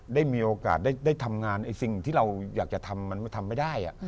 ได้มีโอกาสได้ทำงานสิ่งที่เราอยากจะทำมันทำไม่ได้